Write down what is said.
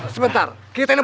sebentar kita ilmu